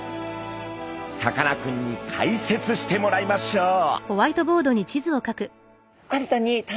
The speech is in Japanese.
さかなクンに解説してもらいましょう。